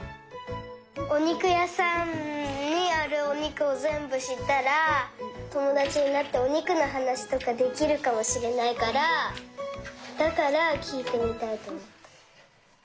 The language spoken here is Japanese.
おにくやさんにあるおにくをぜんぶしったらともだちになっておにくのはなしとかできるかもしれないからだからきいてみたいとおもった。